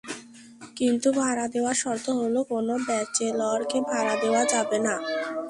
কিন্তু ভাড়া দেওয়ার শর্ত হলো, কোনো ব্যাচেলরকে ভাড়া দেওয়া যাবে না।